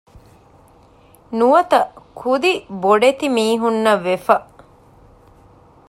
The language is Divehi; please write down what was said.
ނުވަތަ ކުދި ބޮޑެތި މީހުންނަށް ވެފަ